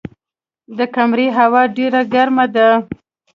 د کمرې هوا ډېره ګرمه وه.